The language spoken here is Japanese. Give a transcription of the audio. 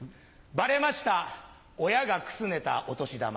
バレました親がくすねたお年玉。